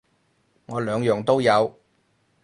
我兩樣都有